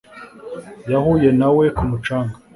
Yahuye na we ku mucanga